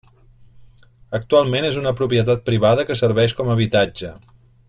Actualment és una propietat privada que serveix com a habitatge.